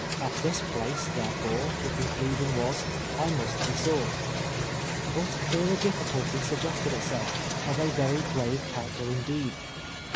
At this place, therefore, the conclusion was, I must be sought. But here a ditticulty suggested itself, of a very grave character indeed.